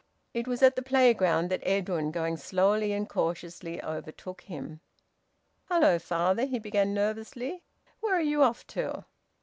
It was at the playground that Edwin, going slowly and cautiously, overtook him. "Hello, father!" he began nervously. "Where are you off to?"